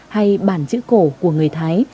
hay bản chữ cổ của người thái